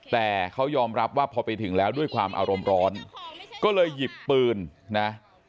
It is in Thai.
แต่เขายอมรับว่าพอไปถึงแล้วด้วยความอารมณ์ร้อนก็เลยหยิบปืนนะ